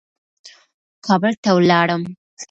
کابل ته ولاړم.